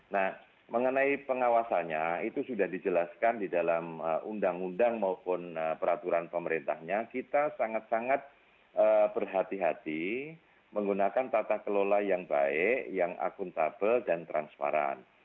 nah mengenai pengawasannya itu sudah dijelaskan di dalam undang undang maupun peraturan pemerintahnya kita sangat sangat berhati hati menggunakan tata kelola yang baik yang akuntabel dan transparan